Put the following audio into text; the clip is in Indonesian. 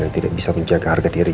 tidak bisa menjaga harga diri